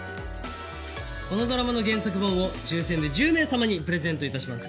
このドラマの原作本を抽選で１０名様にプレゼント致します。